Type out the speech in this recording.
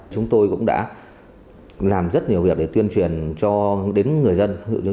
chúng tôi cũng đã làm rất nhiều việc để tuyên truyền cho đến người dân